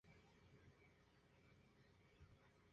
Su música más reciente y la gira fue el "Alcance El Tour Rez".